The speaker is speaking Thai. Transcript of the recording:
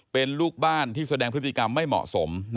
เป็นลูกบ้านที่แสดงพฤติกรรมไม่เหมาะสม